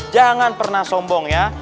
jangan pernah sombong ya